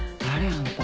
あんた。